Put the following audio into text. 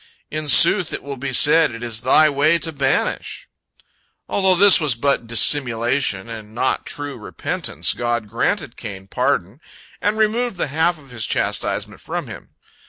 In sooth, it will be said, it is Thy way to banish." Although this was but dissimulation, and not true repentance, yet God granted Cain pardon, and removed the half of his chastisement from him.